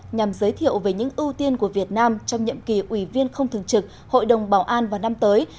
nhằm giới thiệu về những ưu tiên của việt nam trong nhậm kỳ ủy viên không thường trực hội đồng bảo an vào năm tới